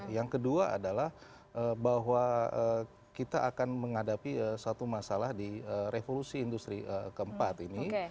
yang kedua adalah bahwa kita akan menghadapi satu masalah di revolusi industri keempat ini